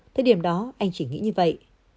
thời điểm đó anh chỉ nghĩ như vậy